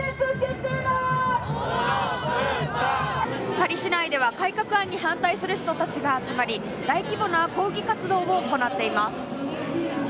パリ市内では改革案に反対する人たちが集まり大規模な抗議活動を行っています。